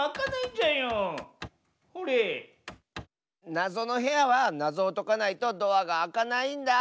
なぞのへやはなぞをとかないとドアがあかないんだあ。